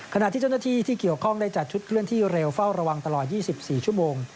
ขณะที่เจ้าหน้าที่ที่เกี่ยวข้องได้จัดชุดเคลื่อนที่เร็วเฝ้าระวังตลอด๒๔ชั่วโมง